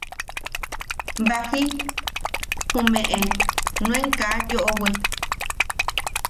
Baji jumeʼe nuen kaa yoʼowe.